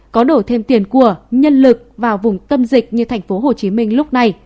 có đủ thêm tiền của nhân lực vào vùng tâm dịch như thành phố hồ chí minh lúc này